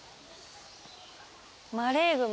マレーグマ。